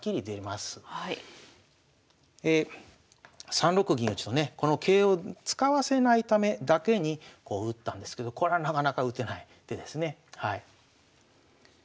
３六銀打とねこの桂を使わせないためだけに打ったんですけどこれはなかなか打てない手ですね。